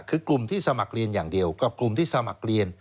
คือกลุ่มที่สมัครเรียนอย่างเดียวกับกลุ่มที่สมัครเรียน